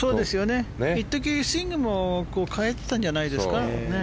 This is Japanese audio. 一時スイングも変えてたんじゃないですか。